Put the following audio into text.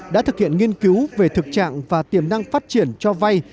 đã thực hiện nghiên cứu về thực trạng và tiềm năng phát triển cho vay